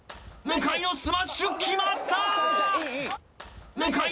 向井のスマッシュ決まった！